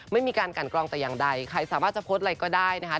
ไม่มีการกันกรองแต่อย่างใดใครสามารถจะโพสต์อะไรก็ได้นะคะ